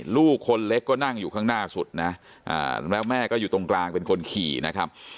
ลูกคนเล็กก็นั่งอยู่ข้างหน้าสุดนะแล้วแม่ก็อยู่ตรงกลางเป็นคนขี่นะครับ